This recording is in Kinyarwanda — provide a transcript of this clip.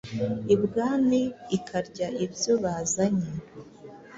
i Bwami ikarya ibyo bazanye,